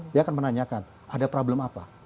dia akan menanyakan ada problem apa